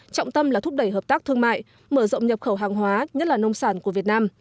trọng tâm là thúc đẩy hợp tác thương mại mở rộng nhập khẩu hàng hóa nhất là nông sản của việt nam